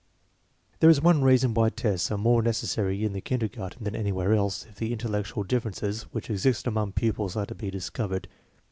There is one reason why tests are more necessary in the kinder garten than anywhere else, if the intellectual differ ences which exist among pupils are to be discovered.